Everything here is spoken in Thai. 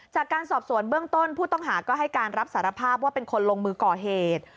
จากการสอบสวนเบื้องต้นผู้ต้องหาก็ให้การรับสารภาพว่าเป็นคนลงมือก่อเหตุ